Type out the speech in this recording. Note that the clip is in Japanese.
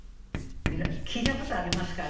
聞いたことありますか？